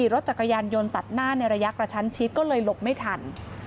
รถจักรยานยนต์ตัดหน้าในระยะกระชั้นชิดก็เลยหลบไม่ทัน